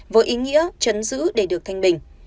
với ý nghĩa trấn giữ để được thanh bình